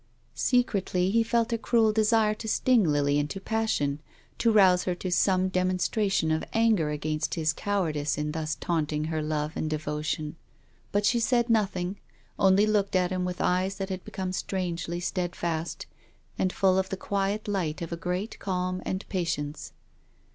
Secretly he felt a cruel desire to sting Lily into passion, to rouse her to some demonstration of anger against his cowardice in thus taunting her love and devotion. But she said nothing, only looked at him with eyes that had become strangely steadfast, and full of the quiet light of a great calm and patience.